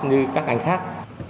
cho các ngành khác